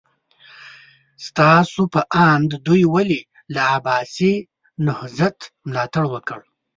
ستاسو په اند دوی ولې له عباسي نهضت ملاتړ وکړ؟